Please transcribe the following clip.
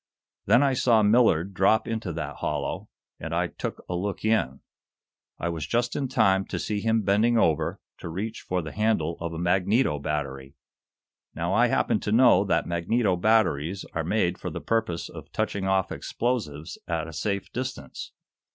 Then I saw Millard drop into that hollow, and I took a look in. I was just in time to see him bending over to reach for the handle of a magneto battery. Now, I happened to know that magneto batteries are made for the purpose of touching off explosives at a safe distance.